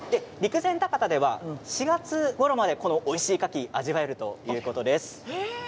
陸前高田では４月ごろまでこのおいしいカキが味わえるということです。